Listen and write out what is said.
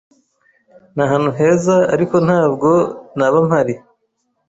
Ni ahantu heza, ariko ntabwo naba mpari.